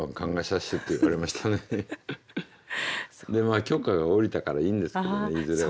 で許可が下りたからいいんですけどねいずれは。